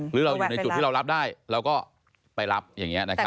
หรือเราอยู่ในจุดที่เรารับได้เราก็ไปรับอย่างนี้นะครับ